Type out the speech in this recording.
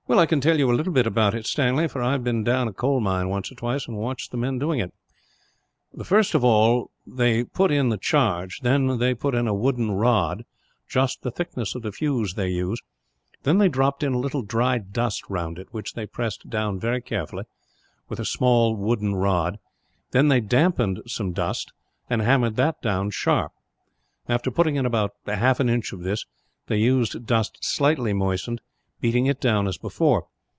"I can tell you a little about it, Stanley; for I have been down a coal mine once or twice, and watched the men doing it. They first of all put in the charge; then they put in a wooden rod, just the thickness of the fuse they use; then they dropped in a little dry dust round it, which they pressed down very carefully, with a small wooden rod; then they damped some dust, and hammered that down hard. After putting in about half an inch of this, they used dust slightly moistened, beating it down as before.